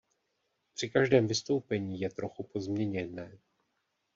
Při každém vystoupení je trochu pozměněné.